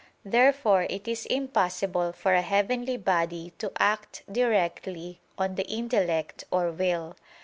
Therefore it is impossible for a heavenly body to act directly on the intellect or will.